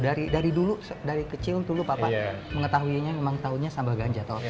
dari dulu dari kecil dulu papa mengetahuinya memang tahunya sambal ganja atau apa